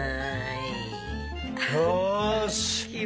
よし。